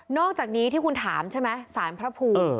อกจากนี้ที่คุณถามใช่ไหมสารพระภูมิ